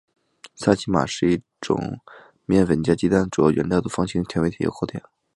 萨其马是一种以面粉加鸡蛋为主要原料的方形甜味糕点。